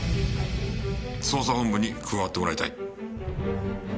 捜査本部に加わってもらいたい。